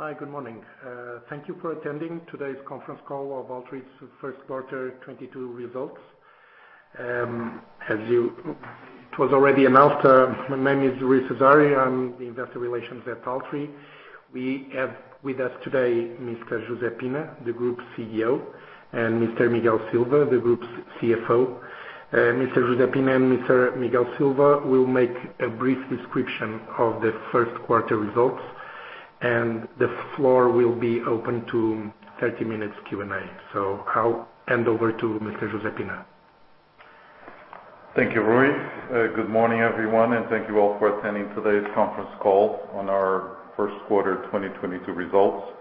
Hi, good morning. Thank you for attending today's conference call of Altri's first quarter 2022 results. As it was already announced, my name is Rui Cesário. I'm the investor relations at Altri. We have with us today Mr. José Pina, the Group CEO, and Mr. Miguel Silveira, the Group's CFO. Mr. José Pina and Mr. Miguel Silveira will make a brief description of the first quarter results, and the floor will be open to 30 minutes Q&A. I'll hand over to Mr. José Pina. Thank you, Rui. Good morning, everyone, and thank you all for attending today's conference call on our first quarter 2022 results.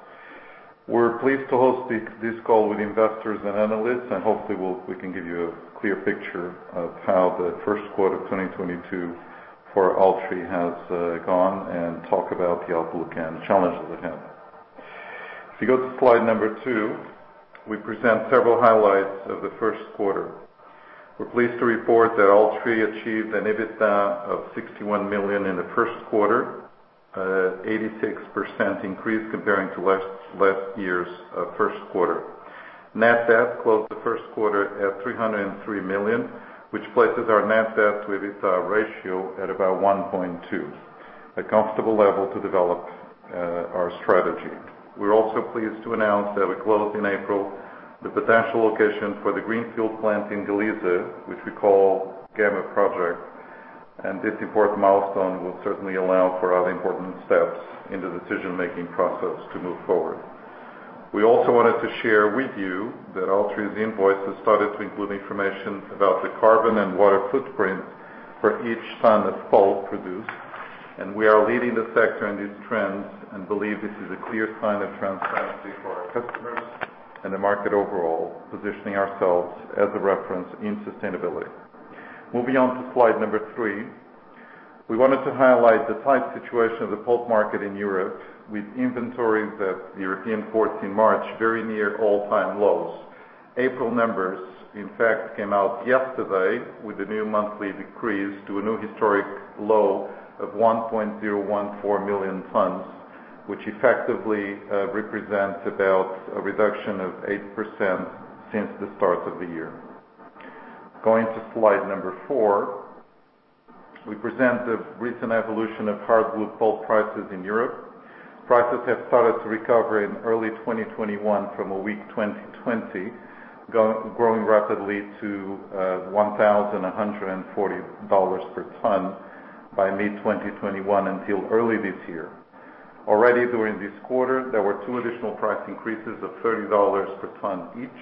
We're pleased to host this call with investors and analysts, and hopefully we can give you a clear picture of how the first quarter 2022 for Altri has gone and talk about the outlook and challenges ahead. If you go to slide number two, we present several highlights of the first quarter. We're pleased to report that Altri achieved an EBITDA of 61 million in the first quarter, 86% increase comparing to last year's first quarter. Net debt closed the first quarter at 303 million, which places our net debt to EBITDA ratio at about 1.2, a comfortable level to develop our strategy. We're also pleased to announce that we closed in April the potential locations for the greenfield plant in Galicia, which we call Gama project. This important milestone will certainly allow for other important steps in the decision-making process to move forward. We also wanted to share with you that Altri's invoices started to include information about the carbon and water footprint for each ton of pulp produced. We are leading the sector in these trends and believe this is a clear sign of transparency for our customers and the market overall, positioning ourselves as a reference in sustainability. Moving on to slide number three. We wanted to highlight the tight situation of the pulp market in Europe with inventories at European ports in March very near all-time lows. April numbers, in fact, came out yesterday with a new monthly decrease to a new historic low of 1.014 million tons, which effectively represents about a reduction of 8% since the start of the year. Going to slide number four. We present the recent evolution of hardwood pulp prices in Europe. Prices have started to recover in early 2021 from a weak 2020, growing rapidly to $1,140 per ton by mid-2021 until early this year. Already during this quarter, there were two additional price increases of $30 per ton each,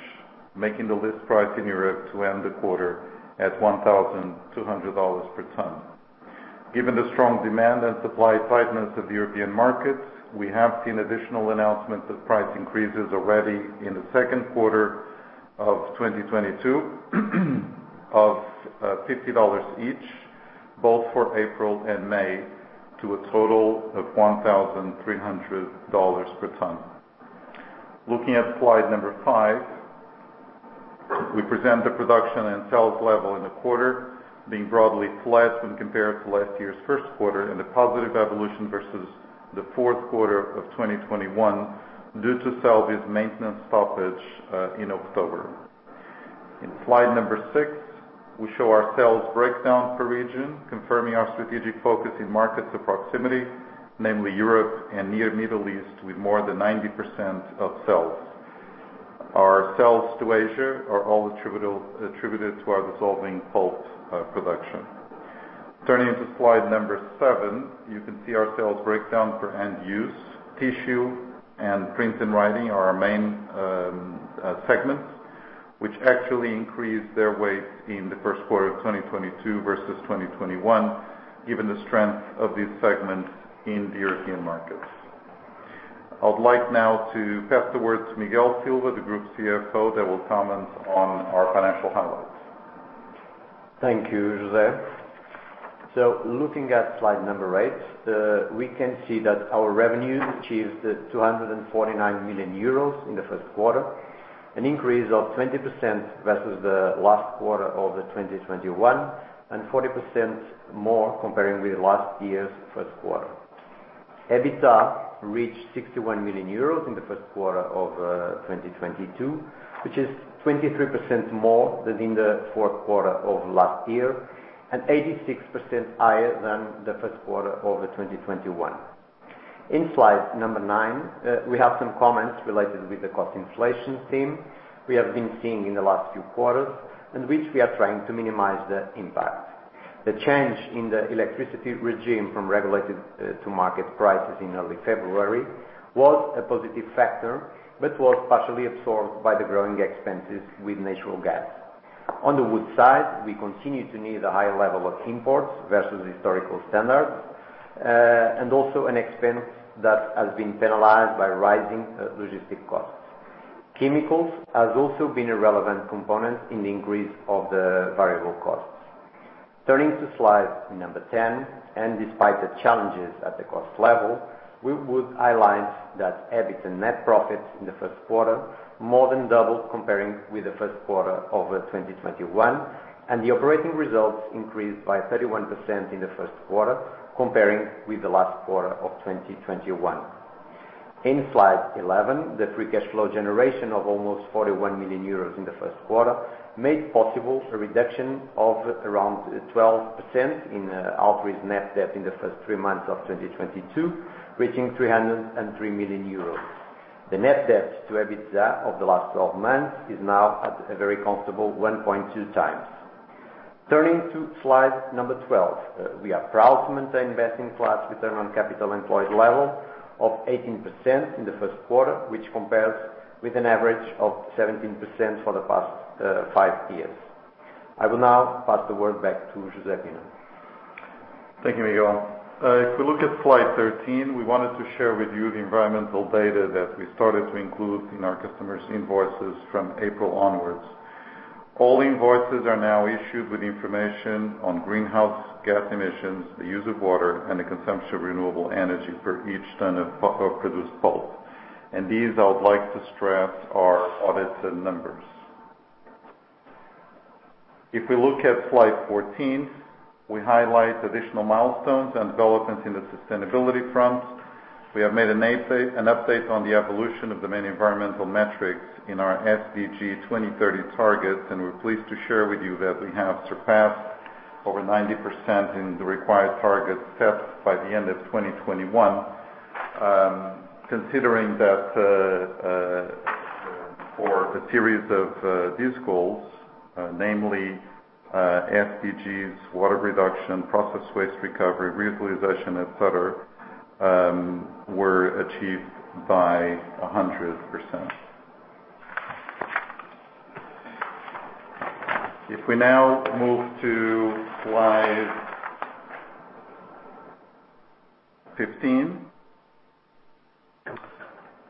making the list price in Europe to end the quarter at $1,200 per ton. Given the strong demand and supply tightness of the European markets, we have seen additional announcements of price increases already in the second quarter of 2022, of $50 each, both for April and May, to a total of $1,300 per ton. Looking at slide 5, we present the production and sales level in the quarter being broadly flat when compared to last year's first quarter and a positive evolution versus the fourth quarter of 2021 due to Celbi's maintenance stoppage in October. In slide 6, we show our sales breakdown per region, confirming our strategic focus in markets of proximity, namely Europe and near Middle East, with more than 90% of sales. Our sales to Asia are all attributed to our dissolving pulp production. Turning to slide number seven, you can see our sales breakdown for end use. Tissue and print and writing are our main segments, which actually increased their weight in the first quarter of 2022 versus 2021, given the strength of these segments in the European markets. I would like now to pass the word to Miguel Silveira, the group CFO, that will comment on our financial highlights. Thank you, José. Looking at slide eight, we can see that our revenues achieved 249 million euros in the first quarter, an increase of 20% versus the last quarter of 2021, and 40% more comparing with last year's first quarter. EBITDA reached 61 million euros in the first quarter of 2022, which is 23% more than in the fourth quarter of last year and 86% higher than the first quarter of 2021. In slide nine, we have some comments related with the cost inflation theme we have been seeing in the last few quarters, and which we are trying to minimize the impact. The change in the electricity regime from regulated to market prices in early February was a positive factor, but was partially absorbed by the growing expenses with natural gas. On the wood side, we continue to need a high level of imports versus historical standards, and also an expense that has been penalized by rising logistic costs. Chemicals has also been a relevant component in the increase of the variable costs. Turning to slide 10, despite the challenges at the cost level, we would highlight that EBIT and net profits in the first quarter more than doubled comparing with the first quarter of 2021, and the operating results increased by 31% in the first quarter comparing with the last quarter of 2021. In slide 11, the free cash flow generation of almost 41 million euros in the first quarter made possible a reduction of around 12% in Altri's net debt in the first three months of 2022, reaching 303 million euros. The net debt to EBITDA of the last 12 months is now at a very comfortable 1.2 times. Turning to slide number 12, we are proud to maintain best-in-class return on capital employed level of 18% in the first quarter, which compares with an average of 17% for the past five years. I will now pass the word back to José Pina. Thank you, Miguel. If you look at slide 13, we wanted to share with you the environmental data that we started to include in our customers' invoices from April onwards. All invoices are now issued with information on greenhouse gas emissions, the use of water, and the consumption of renewable energy for each ton of produced pulp. These I would like to stress are audited numbers. If we look at slide 14, we highlight additional milestones and developments in the sustainability front. We have made an update on the evolution of the many environmental metrics in our SDG 2030 targets, and we're pleased to share with you that we have surpassed over 90% in the required target set by the end of 2021. Considering that, for a series of these goals, namely, SDGs, water reduction, process waste recovery, reutilization, et cetera, were achieved by 100%. If we now move to slide 15,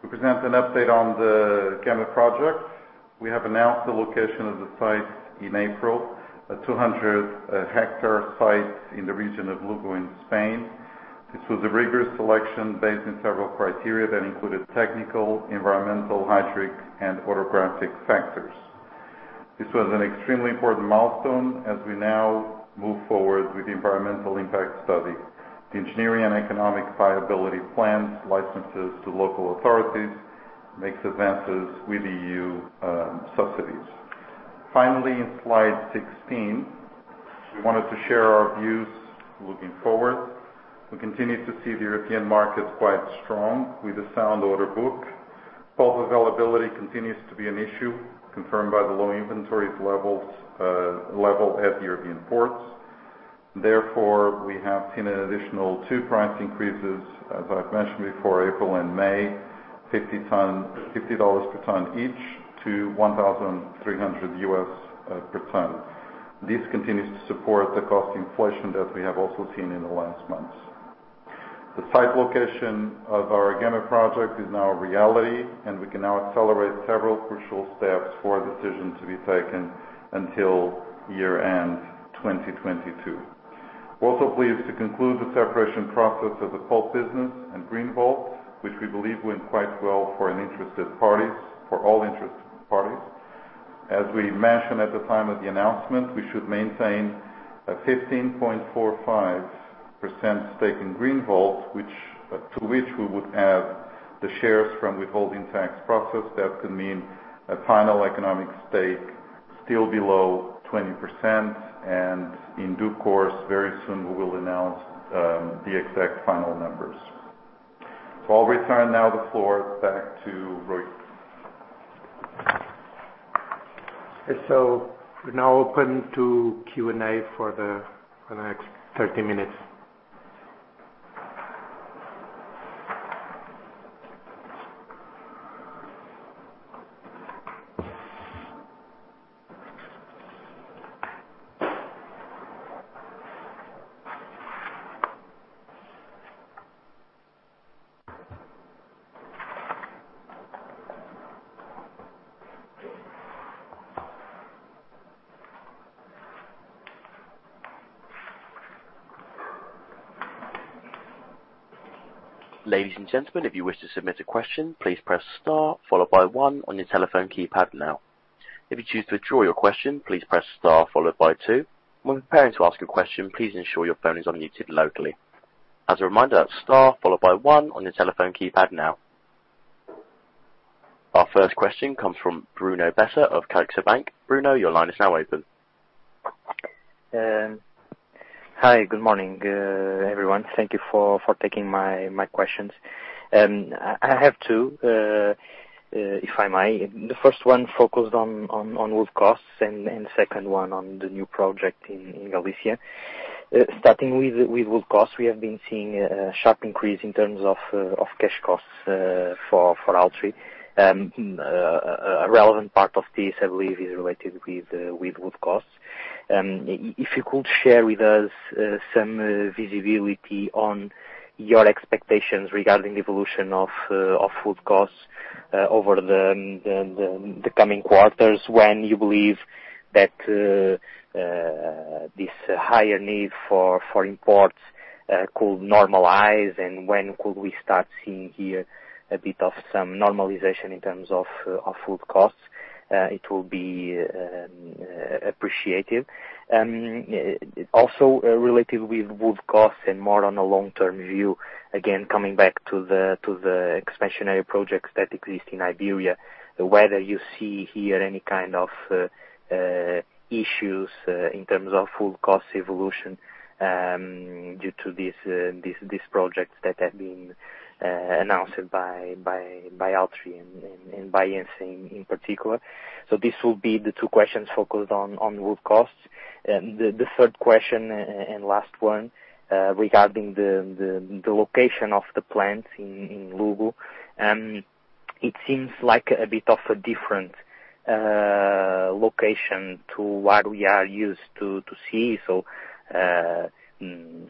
we present an update on the Gama project. We have announced the location of the site in April, a 200-hectare site in the region of Lugo in Spain. This was a rigorous selection based on several criteria that included technical, environmental, hydric, and orographic factors. This was an extremely important milestone as we now move forward with the environmental impact study. The engineering and economic viability plans, licenses to local authorities, makes advances with EU subsidies. Finally, in slide 16, we wanted to share our views looking forward. We continue to see the European markets quite strong with a sound order book. Pulp availability continues to be an issue, confirmed by the low inventory levels at European ports. Therefore, we have seen an additional two price increases, as I've mentioned before, April and May, $50 per ton each to $1,300 per ton. This continues to support the cost inflation that we have also seen in the last months. The site location of our Gama project is now a reality, and we can now accelerate several crucial steps for a decision to be taken until year-end 2022. We're also pleased to conclude the separation process of the pulp business and GreenVolt, which we believe went quite well for all interested parties. As we mentioned at the time of the announcement, we should maintain a 15.45% stake in GreenVolt, which to which we would add the shares from withholding tax process. That could mean a final economic stake still below 20%. In due course, very soon, we will announce the exact final numbers. I'll return now the floor back to Rui Cesário. We're now open to Q&A for the next 30 minutes. Ladies and gentlemen, if you wish to submit a question, please press star followed by one on your telephone keypad now. If you choose to withdraw your question, please press star followed by two. When preparing to ask a question, please ensure your phone is unmuted locally. As a reminder, star followed by one on your telephone keypad now. Our first question comes from Bruno Bessa of CaixaBank BPI. Bruno, your line is now open. Hi. Good morning, everyone. Thank you for taking my questions. I have two, if I may. The first one focused on wood costs and second one on the new project in Galicia. Starting with wood costs, we have been seeing a sharp increase in terms of cash costs for Altri. A relevant part of this, I believe, is related with wood costs. If you could share with us some visibility on your expectations regarding the evolution of wood costs over the coming quarters. When you believe that this higher need for imports could normalize and when could we start seeing here a bit of some normalization in terms of wood costs? It will be appreciated. Also related with wood costs and more on a long-term view, again, coming back to the expansionary projects that exist in Iberia, whether you see here any kind of issues in terms of wood cost evolution due to these projects that have been announced by Altri and by Ence in particular. This will be the two questions focused on wood costs. The third question and last one regarding the location of the plant in Lugo. It seems like a bit of a different location to what we are used to see.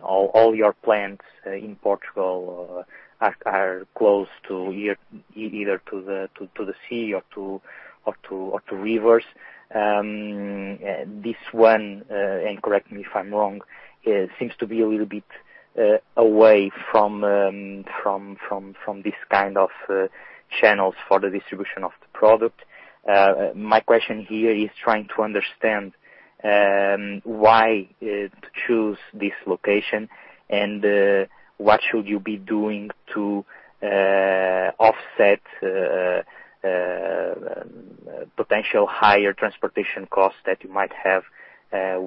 All your plants in Portugal are close to either the sea or to rivers. This one, and correct me if I'm wrong, seems to be a little bit away from this kind of channels for the distribution of the product. My question here is trying to understand why to choose this location, and what should you be doing to offset potential higher transportation costs that you might have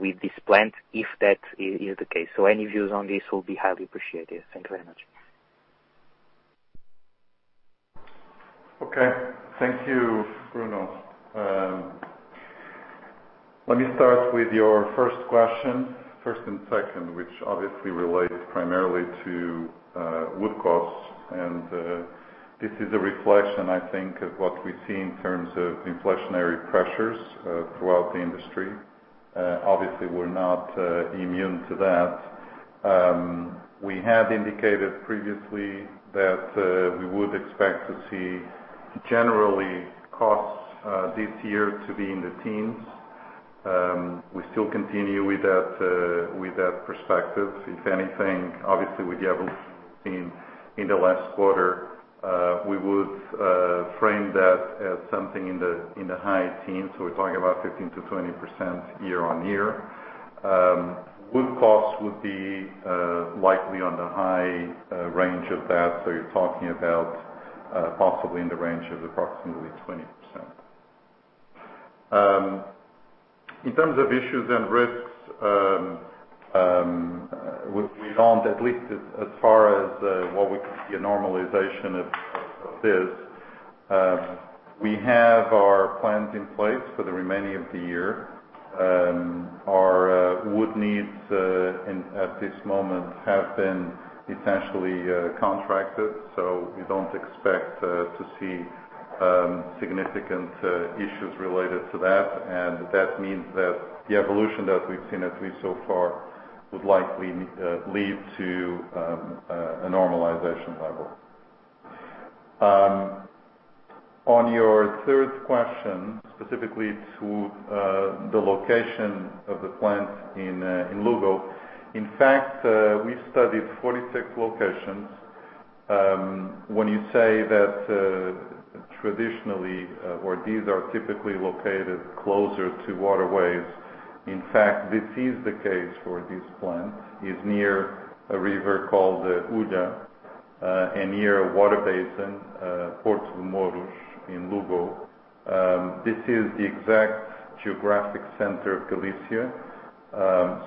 with this plant, if that is the case. Any views on this will be highly appreciated. Thank you very much. Okay. Thank you, Bruno. Let me start with your first question, first and second, which obviously relates primarily to wood costs. This is a reflection, I think, of what we see in terms of inflationary pressures throughout the industry. Obviously, we're not immune to that. We had indicated previously that we would expect to see generally costs this year to be in the teens. We still continue with that perspective. If anything, obviously, with the evolution in the last quarter, we would frame that as something in the high teens. We're talking about 15%-20% year-on-year. Wood costs would be likely on the high range of that. You're talking about possibly in the range of approximately 20%. In terms of issues and risks, we don't, at least as far as what we could see, a normalization of this. We have our plans in place for the remaining of the year. Our wood needs at this moment have been essentially contracted, so we don't expect to see significant issues related to that. That means that the evolution that we've seen at least so far would likely lead to a normalization level. On your third question, specifically to the location of the plant in Lugo, in fact, we studied 46 locations. When you say that traditionally or these are typically located closer to waterways, in fact, this is the case for this plant. It's near a river called Ulla, and near a water basin, Portodemouros in Lugo. This is the exact geographic center of Galicia,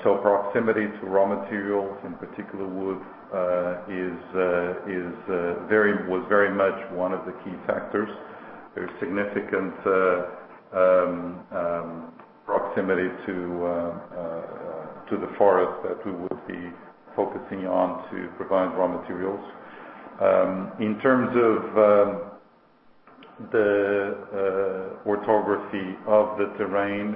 so proximity to raw materials, in particular wood, was very much one of the key factors. There's significant proximity to the forest that we will be focusing on to provide raw materials. In terms of the topography of the terrain,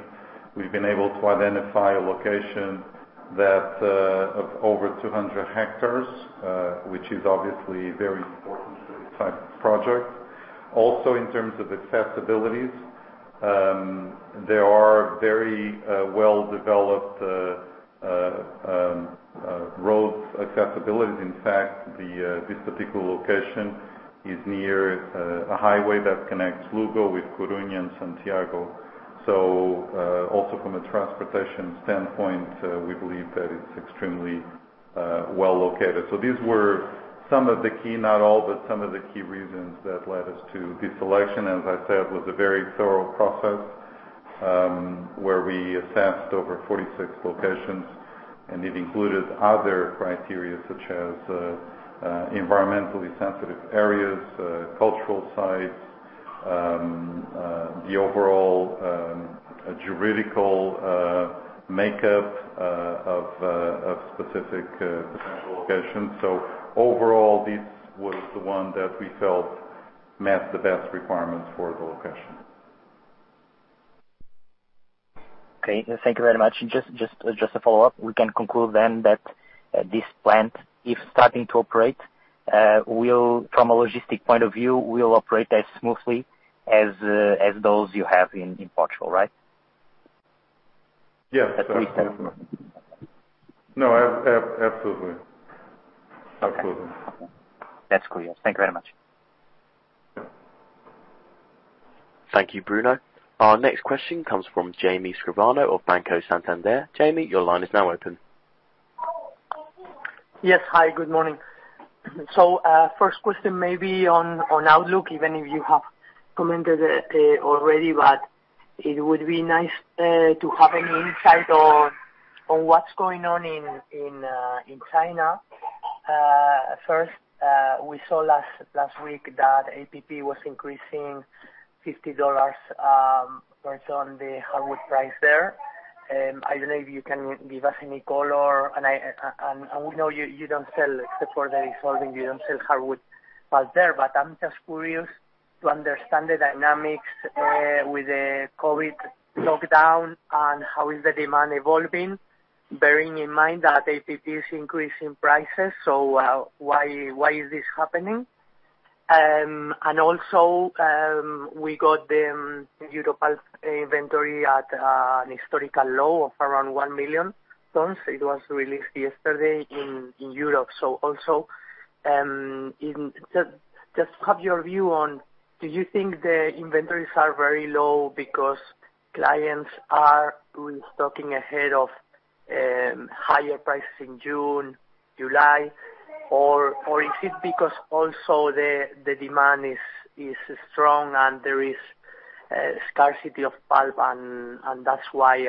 we've been able to identify a location that of over 200 hectares, which is obviously very important for this type of project. Also, in terms of accessibility, there are very well-developed road accessibility. In fact, this particular location is near a highway that connects Lugo with Coruña and Santiago. Also from a transportation standpoint, we believe that it's extremely well located. These were some of the key, not all, but some of the key reasons that led us to this selection. As I said, it was a very thorough process, where we assessed over 46 locations, and it included other criteria such as environmentally sensitive areas, cultural sites, the overall juridical makeup of specific potential locations. Overall, this was the one that we felt met the best requirements for the location. Okay. Thank you very much. Just to follow up, we can conclude then that This plant, if starting to operate, will from a logistics point of view operate as smoothly as those you have in Portugal, right? Yes. At least. No. Absolutely. Absolutely. That's clear. Thank you very much. Thank you, Bruno. Our next question comes from Jaime Escribano of Banco Santander. Jaime, your line is now open. Yes. Hi, good morning. First question maybe on outlook, even if you have commented already, but it would be nice to have an insight on what's going on in China. First, we saw last week that APP was increasing $50, based on the hardwood price there. I don't know if you can give us any color, and we know you don't sell except for the dissolving, you don't sell hardwood pulp there. But I'm just curious to understand the dynamics with the COVID lockdown and how is the demand evolving, bearing in mind that APP is increasing prices, so why is this happening? And also, we got the Europe pulp inventory at a historical low of around 1 million tons. It was released yesterday in Europe. Also, have your view on, do you think the inventories are very low because clients are restocking ahead of higher prices in June, July? Or is it because also the demand is strong and there is a scarcity of pulp and that's why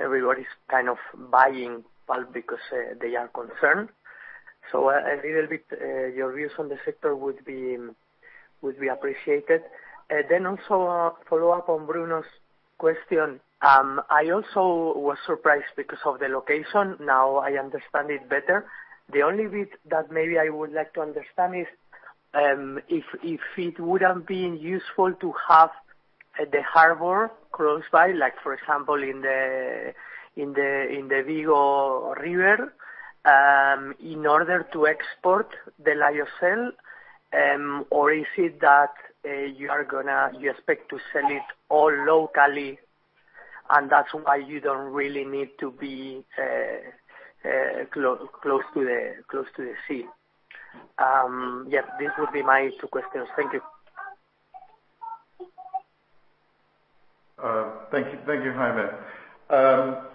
everybody's kind of buying pulp because they are concerned? A little bit, your views on the sector would be appreciated. Also a follow-up on Bruno's question. I also was surprised because of the location. Now I understand it better. The only bit that maybe I would like to understand is, if it would have been useful to have the harbor close by, like for example in the Ría de Vigo, in order to export the lyocell. Is it that you expect to sell it all locally, and that's why you don't really need to be close to the sea? Yeah, this would be my two questions. Thank you. Thank you. Thank you, Jaime.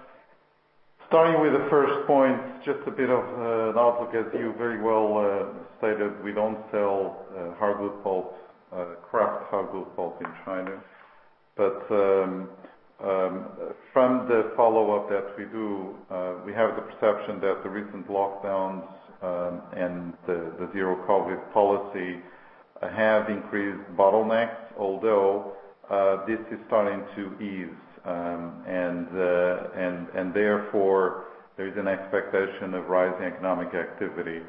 Starting with the first point, just a bit of an outlook, as you very well stated, we don't sell hardwood pulp, kraft hardwood pulp in China. From the follow-up that we do, we have the perception that the recent lockdowns and the zero COVID policy have increased bottlenecks, although this is starting to ease. Therefore, there's an expectation of rising economic activity.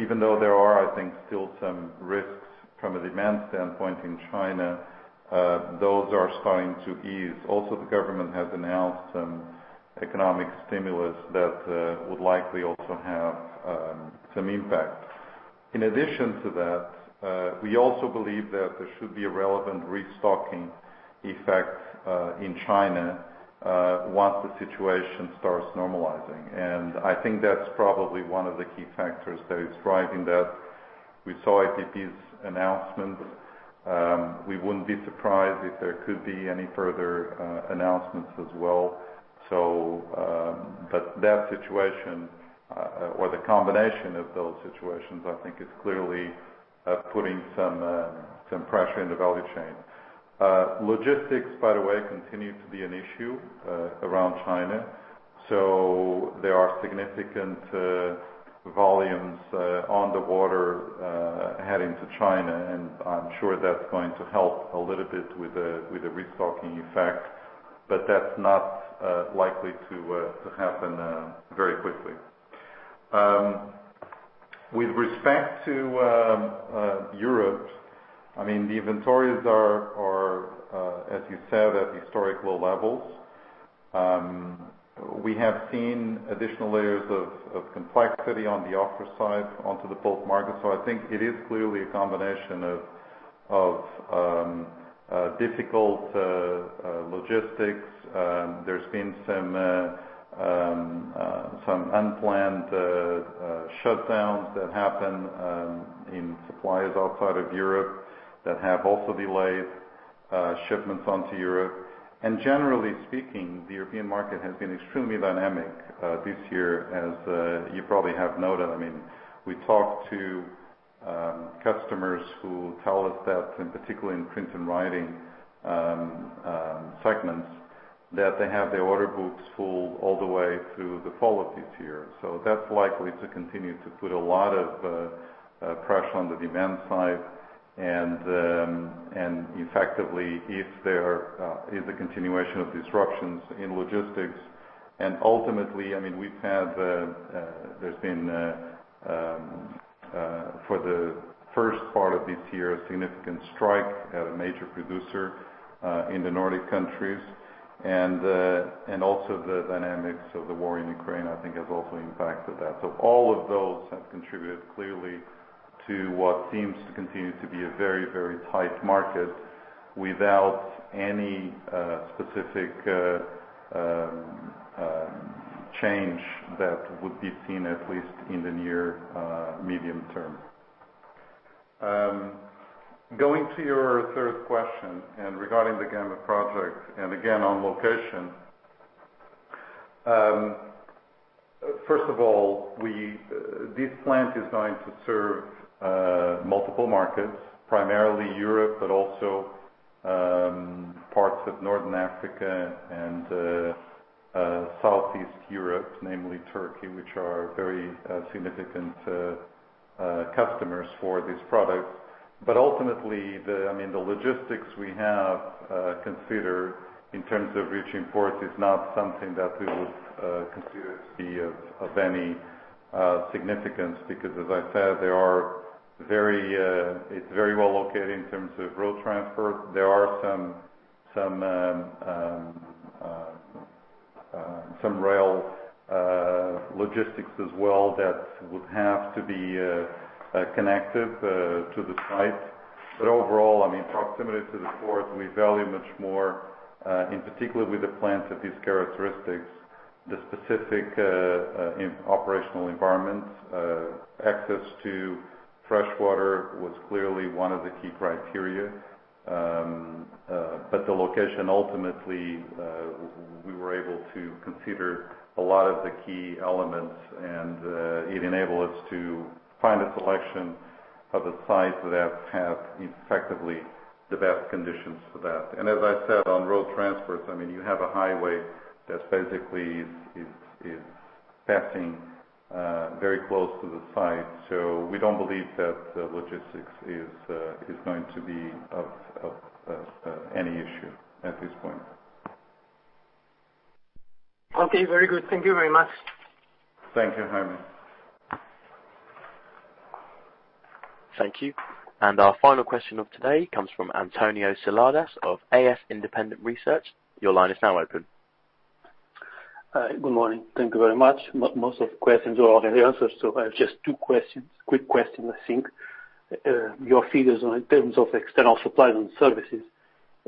Even though there are, I think, still some risks from a demand standpoint in China, those are starting to ease. Also, the government has announced some economic stimulus that would likely also have some impact. In addition to that, we also believe that there should be a relevant restocking effect in China once the situation starts normalizing. I think that's probably one of the key factors that is driving that. We saw APP's announcement. We wouldn't be surprised if there could be any further announcements as well. But that situation or the combination of those situations, I think is clearly putting some pressure in the value chain. Logistics, by the way, continue to be an issue around China. There are significant volumes on the water heading to China, and I'm sure that's going to help a little bit with the restocking effect, but that's not likely to happen very quickly. With respect to Europe, I mean, the inventories are as you said, at historic low levels. We have seen additional layers of complexity on the supply side of the pulp market. I think it is clearly a combination of difficult logistics. There's been some unplanned shutdowns that happened in suppliers outside of Europe that have also delayed shipments onto Europe. Generally speaking, the European market has been extremely dynamic this year, as you probably have noted. I mean, we talked to customers who tell us that, and particularly in print and writing segments, that they have their order books full all the way through the fall of this year. That's likely to continue to put a lot of pressure on the demand side. Effectively, if there is a continuation of disruptions in logistics and ultimately, I mean, there's been for the first part of this year a significant strike at a major producer in the Nordic countries. Also the dynamics of the war in Ukraine, I think has also impacted that. All of those have contributed clearly to what seems to continue to be a very, very tight market without any specific change that would be seen at least in the near medium term. Going to your third question and regarding the Gama project and again, on location. First of all, this plant is going to serve multiple markets, primarily Europe, but also parts of North Africa and Southeast Europe, namely Turkey, which are very significant customers for this product. Ultimately, I mean, the logistics we have considered in terms of reaching ports is not something that we would consider to be of any significance. As I said, it is very well located in terms of road transfer. There are some rail logistics as well that would have to be connected to the site. Overall, I mean, proximity to the port we value much more, in particular with the plants of these characteristics, the specific operational environment. Access to fresh water was clearly one of the key criteria. But the location, ultimately, we were able to consider a lot of the key elements, and it enabled us to find a selection of the sites that have effectively the best conditions for that. As I said on road transfers, I mean, you have a highway that basically is passing very close to the site. We don't believe that the logistics is going to be of any issue at this point. Okay, very good. Thank you very much. Thank you, Jaime. Thank you. Our final question of today comes from António Seladas of AS Independent Research. Your line is now open. Hi. Good morning. Thank you very much. Most of questions are already answered, so I have just two questions, quick questions I think. Your figures in terms of external supplies and services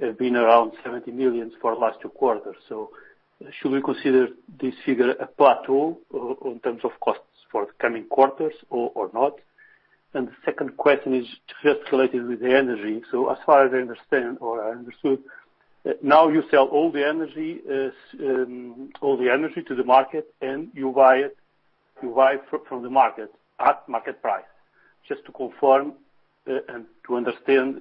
have been around 70 million for the last two quarters. Should we consider this figure a plateau or in terms of costs for the coming quarters or not? The second question is just related with the energy. As far as I understand or I understood, now you sell all the energy to the market and you buy it, you buy from the market at market price. Just to confirm and to understand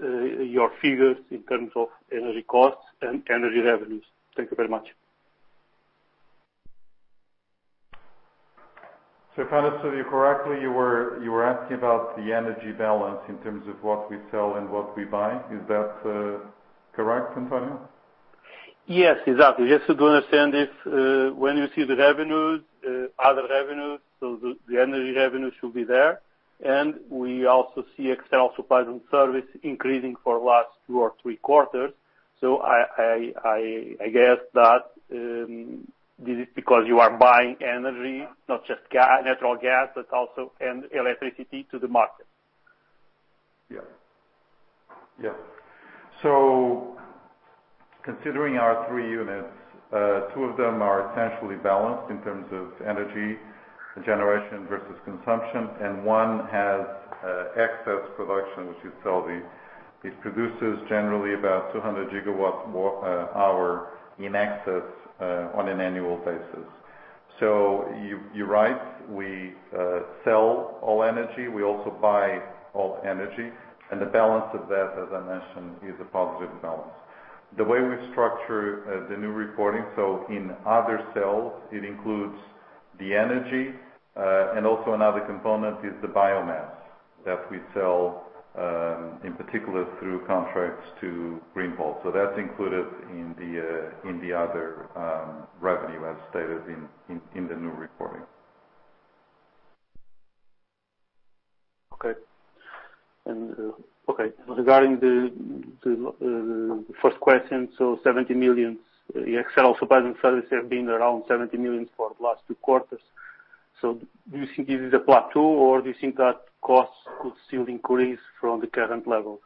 your figures in terms of energy costs and energy revenues. Thank you very much. If I understood you correctly, you were asking about the energy balance in terms of what we sell and what we buy. Is that correct, António? Yes, exactly. Just to understand if, when you see the revenues, other revenues, so the energy revenues should be there. We also see external supplies and service increasing for last two or three quarters. I guess that, this is because you are buying energy, not just natural gas, but also electricity to the market. Yeah. Considering our three units, two of them are essentially balanced in terms of energy generation versus consumption, and one has excess production, which we sell, it produces generally about 200 gigawatt hour in excess on an annual basis. You're right, we sell all energy. We also buy all energy, and the balance of that, as I mentioned, is a positive balance. The way we structure the new reporting, in other sales, it includes the energy, and also another component is the biomass that we sell, in particular through contracts to GreenVolt. That's included in the other revenue as stated in the new reporting. Regarding the first question, 70 million, the external supplies and services have been around 70 million for the last two quarters. Do you think this is a plateau or do you think that costs could still increase from the current level?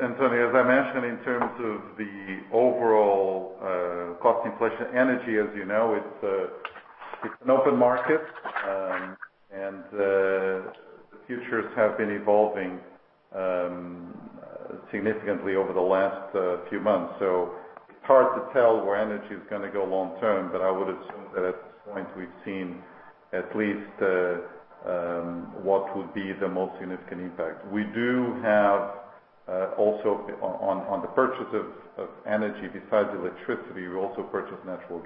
António, as I mentioned, in terms of the overall cost inflation, energy, as you know, it's an open market, and the futures have been evolving significantly over the last few months. It's hard to tell where energy is gonna go long term, but I would assume that at this point we've seen at least what would be the most significant impact. We do have also on the purchase of energy, besides electricity, we also purchase natural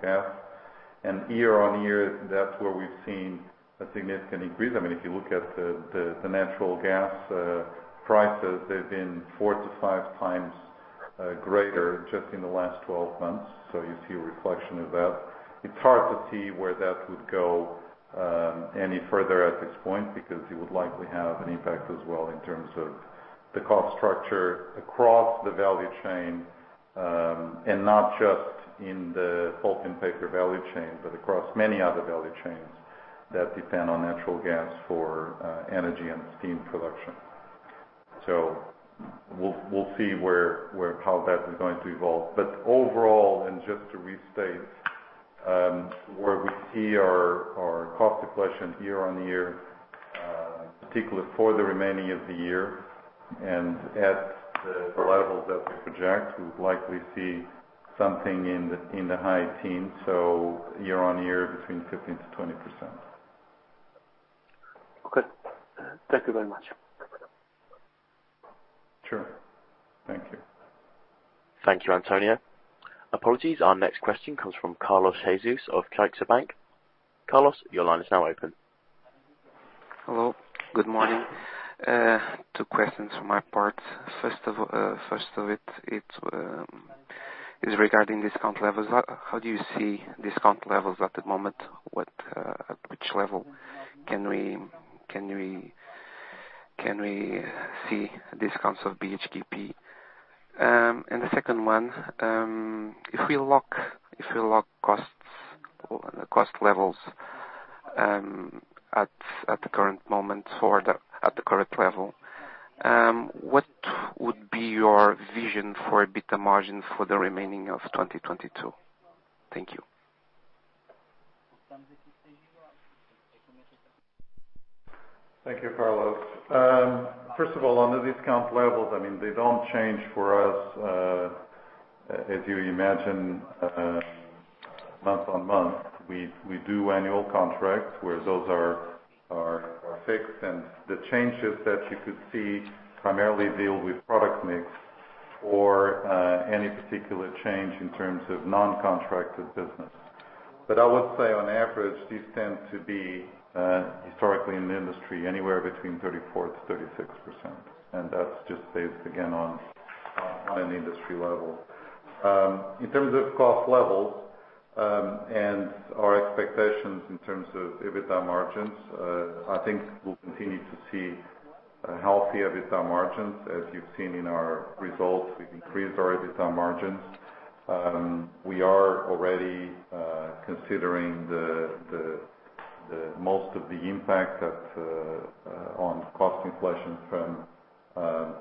gas. Year-over-year, that's where we've seen a significant increase. I mean, if you look at the natural gas prices, they've been four-five times greater just in the last 12 months. You see a reflection of that. It's hard to see where that would go any further at this point, because you would likely have an impact as well in terms of the cost structure across the value chain, and not just in the pulp and paper value chain, but across many other value chains that depend on natural gas for energy and steam production. We'll see how that is going to evolve. Overall, just to restate, where we see our cost inflation year-on-year, particularly for the remaining of the year and at the levels that we project, we'll likely see something in the high teens, year-on-year between 15%-20%. Okay. Thank you very much. Sure. Thank you. Thank you, António. Apologies. Our next question comes from Carlos Jesus of CaixaBank BPI. Carlos, your line is now open. Hello. Good morning. Two questions from my part. First off, it is regarding discount levels. How do you see discount levels at the moment? At which level can we see discounts of BHKP? And the second one, if we lock costs or the cost levels at the current level, what would be your vision for EBITDA margins for the remaining of 2022? Thank you. Thank you, Carlos. First of all, on the discount levels, I mean, they don't change for us, as you imagine, month-on-month. We do annual contracts, where those are fixed, and the changes that you could see primarily deal with product mix or any particular change in terms of non-contracted business. I would say on average, these tend to be historically in the industry, anywhere between 34%-36%. That's just based, again, on an industry level. In terms of cost levels and our expectations in terms of EBITDA margins, I think we'll continue to see healthy EBITDA margins. As you've seen in our results, we've increased our EBITDA margins. We are already considering most of the impact on cost inflation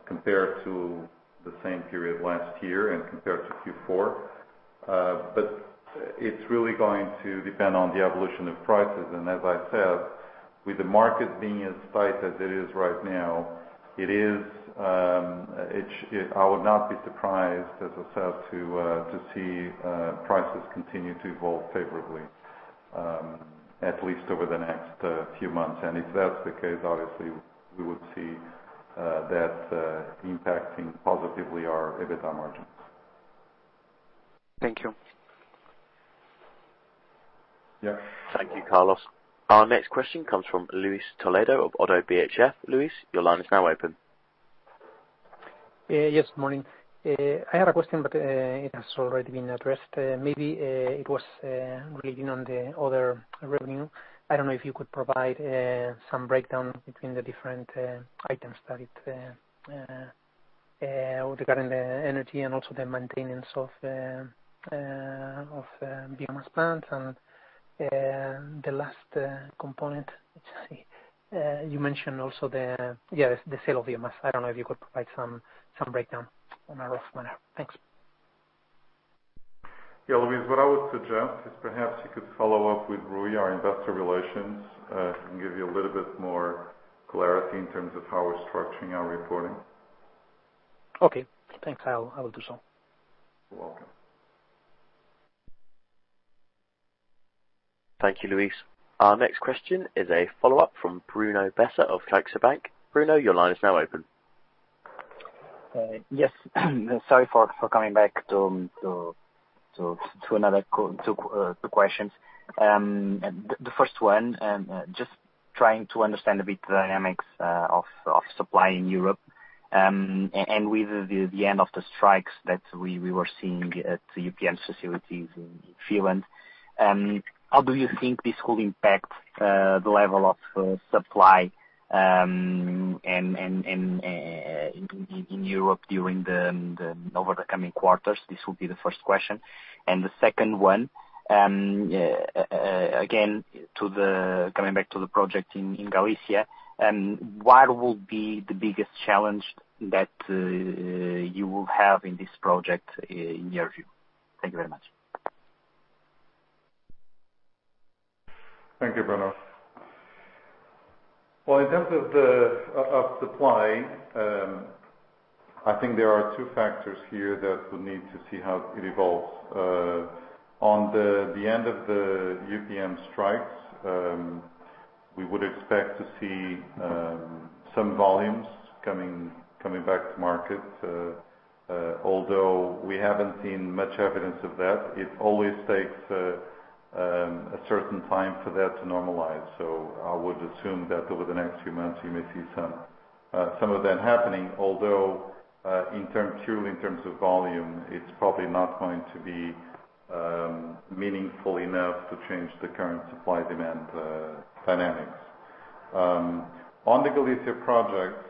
compared to the same period last year and compared to Q4. It's really going to depend on the evolution of prices. As I said, with the market being as tight as it is right now, I would not be surprised, as I said, to see prices continue to evolve favorably at least over the next few months. If that's the case, obviously we would see that impacting positively our EBITDA margins. Thank you. Yeah. Thank you, Carlos. Our next question comes from Luis de Toledo of Oddo BHF. Luis, your line is now open. Yes, morning. I had a question, but it has already been addressed. Maybe it was relating on the other revenue. I don't know if you could provide some breakdown between the different items that regarding the energy and also the maintenance of biomass plant and the last component. Let's see. You mentioned also the sale of biomass. I don't know if you could provide some breakdown on a rough manner. Thanks. Yeah, Luis, what I would suggest is perhaps you could follow up with Rui, our Investor Relations, who can give you a little bit more clarity in terms of how we're structuring our reporting. Okay. Thanks. I will do so. You're welcome. Thank you, Luis. Our next question is a follow-up from Bruno Bessa of CaixaBank. Bruno, your line is now open. Yes. Sorry for coming back to two questions. The first one, just trying to understand a bit the dynamics of supply in Europe, and with the end of the strikes that we were seeing at the UPM facilities in Finland, how do you think this will impact the level of supply and in Europe over the coming quarters? This will be the first question. The second one, again, coming back to the project in Galicia, what will be the biggest challenge that you will have in this project, in your view? Thank you very much. Thank you, Bruno. Well, in terms of the supply, I think there are two factors here that we need to see how it evolves, on the end of the UPM strikes. We would expect to see some volumes coming back to market. Although we haven't seen much evidence of that, it always takes a certain time for that to normalize. I would assume that over the next few months you may see some of that happening. Although, purely in terms of volume, it's probably not going to be meaningful enough to change the current supply demand dynamics. On the Galicia project,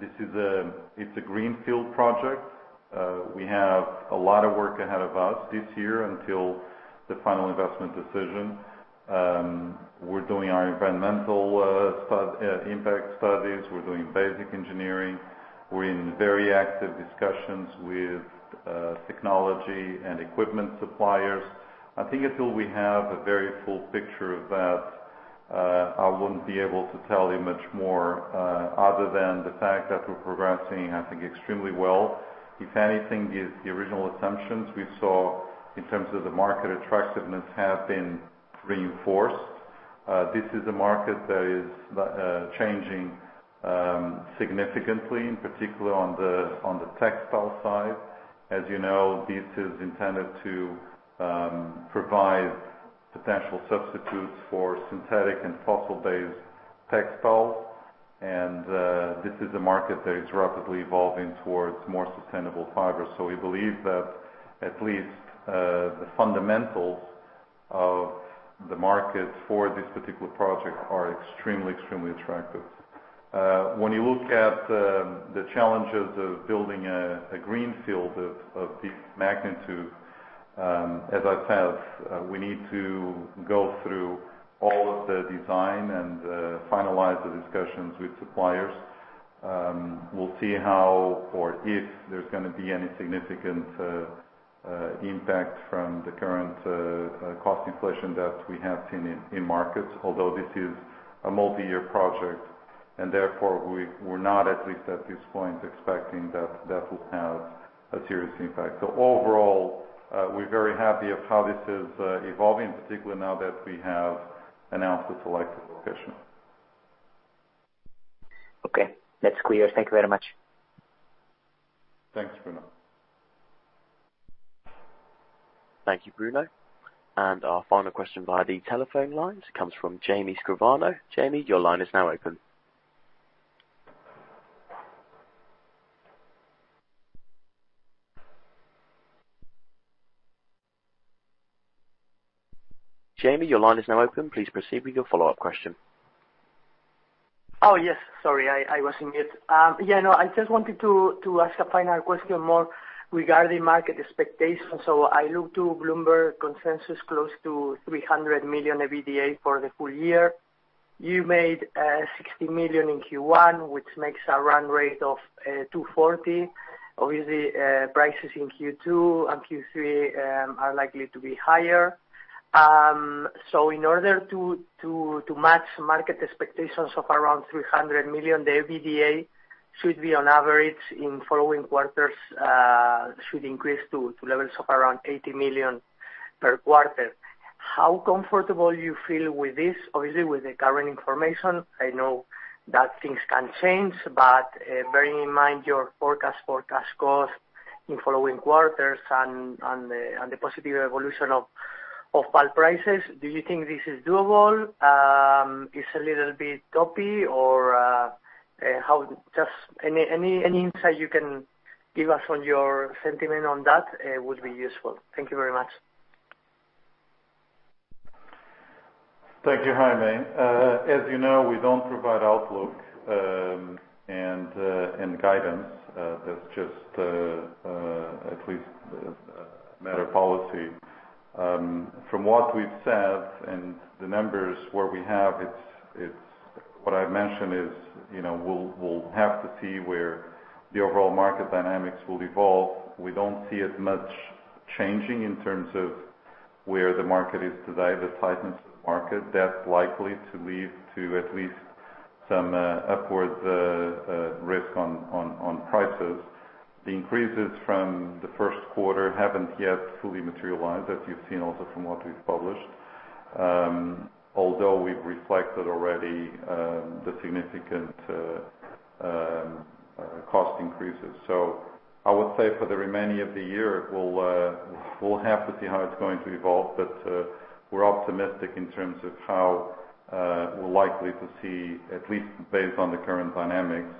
this is a greenfield project. We have a lot of work ahead of us this year until the final investment decision. We're doing our environmental impact studies. We're doing basic engineering. We're in very active discussions with technology and equipment suppliers. I think until we have a very full picture of that, I wouldn't be able to tell you much more, other than the fact that we're progressing, I think, extremely well. If anything, the original assumptions we saw in terms of the market attractiveness have been reinforced. This is a market that is changing significantly, in particular on the textile side. As you know, this is intended to provide potential substitutes for synthetic and fossil-based textiles. This is a market that is rapidly evolving towards more sustainable fibers. We believe that at least the fundamentals of the market for this particular project are extremely attractive. When you look at the challenges of building a greenfield of this magnitude, as I've said, we need to go through all of the design and finalize the discussions with suppliers. We'll see how or if there's gonna be any significant impact from the current cost inflation that we have seen in markets. Although this is a multi-year project, and therefore we're not, at least at this point, expecting that will have a serious impact. Overall, we're very happy of how this is evolving, particularly now that we have announced the selected location. Okay. That's clear. Thank you very much. Thank you, Bruno. Thank you, Bruno. Our final question by the telephone lines comes from Jaime Escribano. Jaime, your line is now open. Please proceed with your follow-up question. Oh, yes, sorry, I was on mute. Yeah, no, I just wanted to ask a final question more regarding market expectations. I look to Bloomberg consensus close to 300 million EBITDA for the full year. You made 60 million in Q1, which makes a run rate of 240. Obviously, prices in Q2 and Q3 are likely to be higher. In order to match market expectations of around 300 million, the EBITDA should be on average in following quarters should increase to levels of around 80 million per quarter. How comfortable you feel with this? Obviously, with the current information, I know that things can change, but bearing in mind your forecast for cash cost in following quarters and the positive evolution of pulp prices, do you think this is doable? It's a little bit toppy or just any insight you can give us on your sentiment on that would be useful. Thank you very much. Thank you, Jaime. As you know, we don't provide outlook and guidance. That's just at least a matter of policy. From what we've said and the numbers where we have, it's what I've mentioned, you know, we'll have to see where the overall market dynamics will evolve. We don't see it much changing in terms of where the market is today, the tightness of the market. That's likely to lead to at least some upward risk on prices. The increases from the first quarter haven't yet fully materialized, as you've seen also from what we've published, although we've reflected already the significant cost increases. I would say for the remaining of the year, we'll have to see how it's going to evolve. We're optimistic in terms of how we're likely to see at least based on the current dynamics.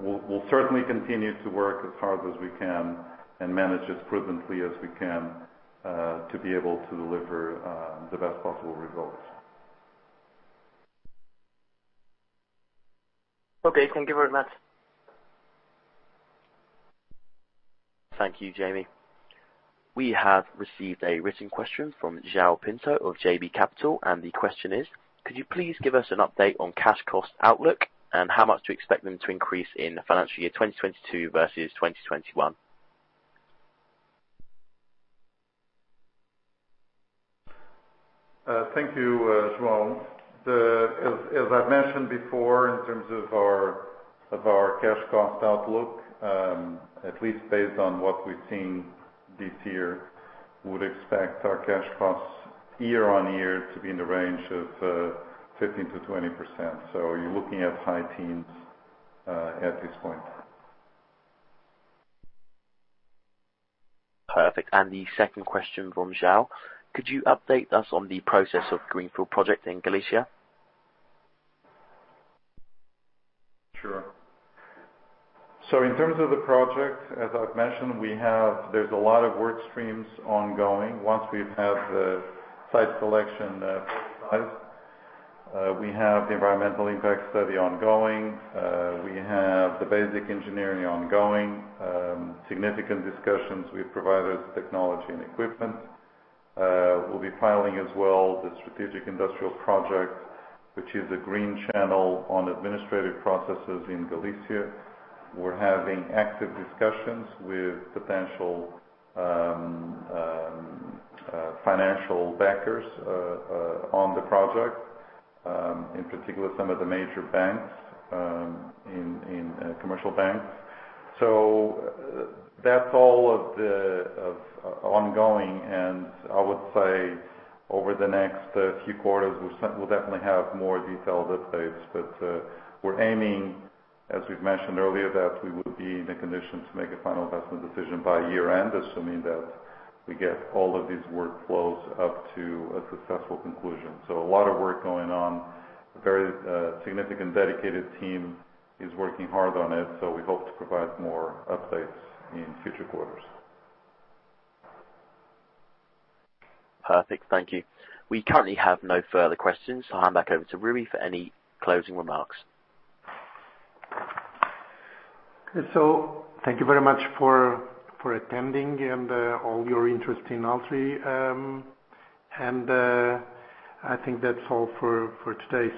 We'll certainly continue to work as hard as we can and manage as prudently as we can to be able to deliver the best possible results. Okay. Thank you very much. Thank you, Jaime. We have received a written question from João Pinto of JB Capital, and the question is: Could you please give us an update on cash cost outlook and how much do you expect them to increase in financial year 2022 versus 2021? Thank you, João. As I've mentioned before, in terms of our cash cost outlook, at least based on what we've seen this year, would expect our cash costs year-on-year to be in the range of 15%-20%. You're looking at high teens at this point. Perfect. The second question from João Pinto. Could you update us on the process of greenfield project in Galicia? Sure. In terms of the project, as I've mentioned, there's a lot of work streams ongoing. Once we've had the site selection finalized, we have the environmental impact study ongoing. We have the basic engineering ongoing, significant discussions with providers of technology and equipment. We'll be filing as well the strategic industrial project, which is a green channel on administrative processes in Galicia. We're having active discussions with potential financial backers on the project, in particular, some of the major banks, in commercial banks. That's all of the ongoing, and I would say over the next few quarters, we'll definitely have more detailed updates. We're aiming, as we've mentioned earlier, that we will be in a condition to make a final investment decision by year-end, assuming that we get all of these workflows up to a successful conclusion. A lot of work going on. A very significant dedicated team is working hard on it, so we hope to provide more updates in future quarters. Perfect. Thank you. We currently have no further questions. I'll hand back over to Rui for any closing remarks. Thank you very much for attending and all your interest in Altri. I think that's all for today.